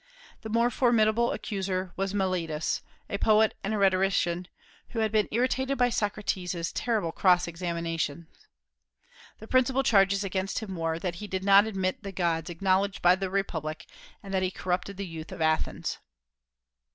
The more formidable accuser was Meletus, a poet and a rhetorician, who had been irritated by Socrates' terrible cross examinations. The principal charges against him were, that he did not admit the gods acknowledged by the republic, and that he corrupted the youth of Athens.